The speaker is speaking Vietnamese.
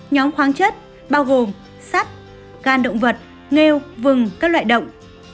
nhóm khoáng chất bao gồm sắt gan động vật nghêu vừng các loại động